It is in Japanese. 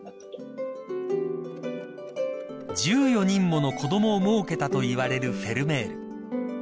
［１４人もの子供をもうけたといわれるフェルメール］